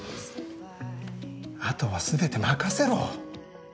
あとは全て任せろ！